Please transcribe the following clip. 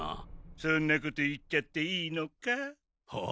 そんなこと言っちゃっていいのか？は？